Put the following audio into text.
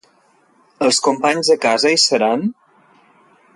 Els companys de casa hi seran?